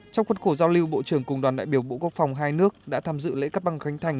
trong khuất khổ giao lưu bộ trưởng cùng đoàn đại biểu bộ quốc phòng hai nước đã tham dự lễ cắt băng khánh thành